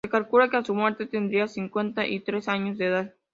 Se calcula que a su muerte tendría cincuenta y tres años de edad.